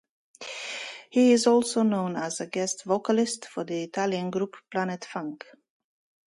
He is also known as a guest vocalist for the Italian group Planet Funk.